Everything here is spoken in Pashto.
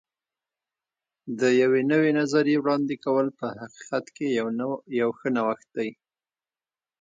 د یوې نوې نظریې وړاندې کول په حقیقت کې یو ښه نوښت دی.